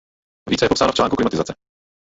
Více je popsáno v článku klimatizace.